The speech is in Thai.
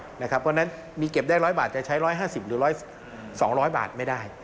เพราะฉะนั้นมีเก็บได้๑๐๐บาทจะใช้๑๕๐หรือ๒๐๐บาทไม่ได้